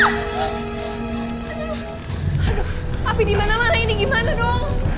aduh tapi dimana mana ini gimana dong